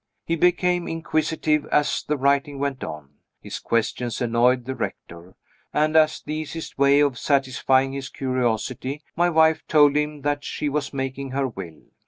He became inquisitive as the writing went on. His questions annoyed the Rector and as the easiest way of satisfying his curiosity, my wife told him that she was making her will.